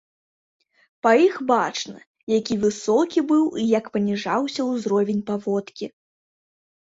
Па іх бачна, які высокі быў і як паніжаўся ўзровень паводкі.